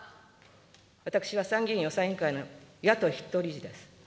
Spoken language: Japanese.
私は参議院予算委員会の野党筆頭理事です。